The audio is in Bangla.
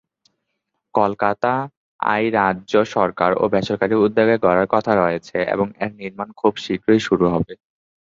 কলকাতা আই রাজ্য সরকার ও বেসরকারি উদ্যোগে গড়ার কথা রয়েছে এবং এর নির্মাণ খুব শীঘ্রই শুরু হবে।